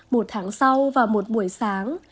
một tháng sau vào một buổi sáng